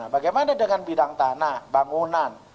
bagaimana dengan bidang tanah bangunan